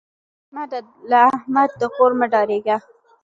له احمد د غور مه ډارېږه.